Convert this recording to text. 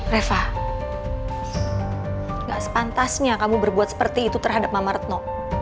reva gak sepantasnya kamu berbuat seperti itu terhadap mama retno